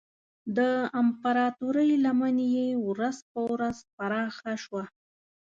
د امپراتورۍ لمن یې ورځ په ورځ پراخه شوه.